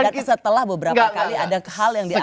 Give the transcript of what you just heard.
dan setelah beberapa kali ada hal yang dianggap